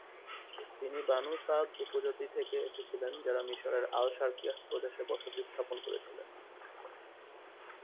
তিনি বানু সাদ উপজাতি থেকে এসেছিলেন যারা মিশরের আল-শারকিয়াহ প্রদেশে বসতি স্থাপন করেছিলেন।